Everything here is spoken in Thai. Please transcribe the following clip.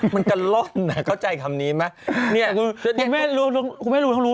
มันจะล่มน่ะเข้าใจคำนี้ไหมเนี้ยคุณแม่รู้คุณแม่รู้คุณแม่รู้